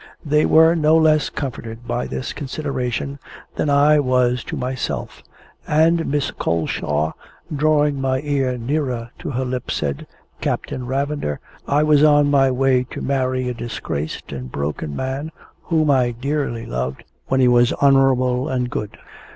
They were no less comforted by this consideration, than I was myself; and Miss Coleshaw, drawing my ear nearer to her lips, said, "Captain Ravender, I was on my way to marry a disgraced and broken man, whom I dearly loved when he was honourable and good.